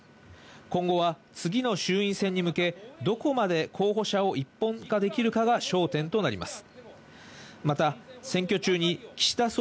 今後は次の衆院選に向け、どこまで候補者を一本化できるかが焦点となります。